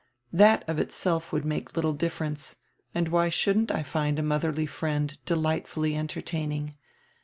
That of itself would make littie difference, and why shouldn't I find a modierly friend delightfully entertain ing?